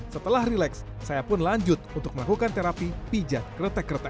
setelah relax saya pun lanjut untuk melakukan terapi pijat kretek kretek